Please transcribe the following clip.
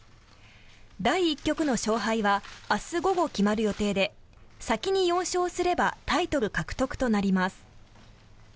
第１局の勝敗は明日午後、決まる予定で先に４勝すればタイトル獲得となります。